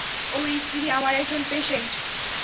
ওর স্ত্রী আমার একজন পেশেন্ট।